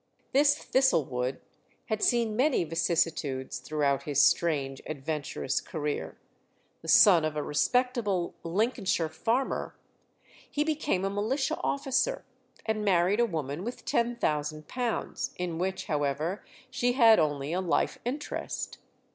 This Thistlewood had seen many vicissitudes throughout his strange, adventurous career. The son of a respectable Lincolnshire farmer, he became a militia officer, and married a woman with £10,000, in which, however, she had only a life interest.